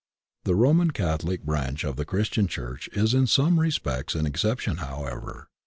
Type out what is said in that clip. The Roman Catholic branch of the Christian Church is in some respects an excep tion, however.